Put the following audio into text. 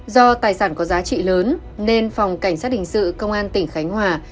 do tài sản có giá trị lớn nên phòng cảnh sát hình sự công an tỉnh khánh hòa